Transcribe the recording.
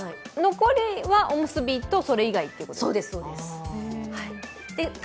残りはおむすびとそれ以外ということですか？